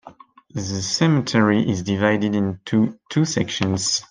The cemetery is divided into two sections.